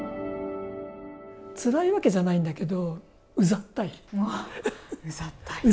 つらいわけじゃないんだけど、うざったい。